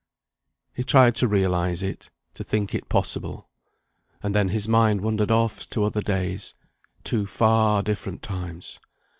He tried to realise it, to think it possible. And then his mind wandered off to other days, to far different times.